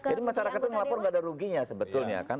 jadi masyarakat itu melapor tidak ada ruginya sebetulnya